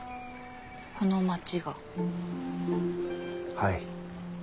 はい。